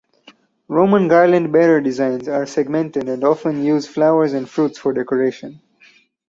Roman garland bearer designs are segmented and often use flowers and fruits for decoration.